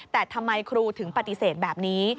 แต่ทำไมครูถึงปฏิเสธแบบนี้